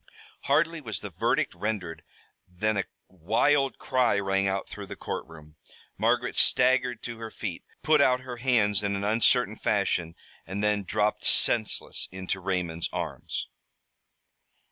Hardly was the verdict rendered than a wild cry rang out through the courtroom. Margaret staggered to her feet, put out her hands in an uncertain fashion, and then dropped senseless into Raymond's arms.